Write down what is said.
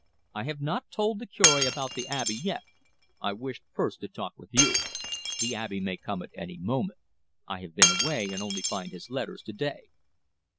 I have not told the Cure about the Abbe yet. I wished first to talk with you. The Abbe may come at any moment. I have been away, and only find his letters to day."